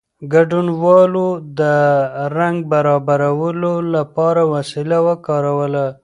ګډونوالو د رنګ برابرولو لپاره وسیله وکاروله.